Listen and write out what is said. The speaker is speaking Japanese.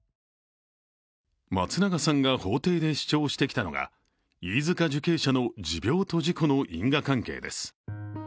松永さんが法廷で主張してきたのが飯塚受刑者の持病と事故の因果関係です。